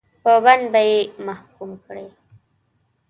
په بند به یې محکوم کړي.